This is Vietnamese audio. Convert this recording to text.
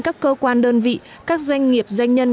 các cơ quan đơn vị các doanh nghiệp doanh nhân